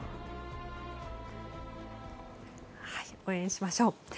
応援しましょう。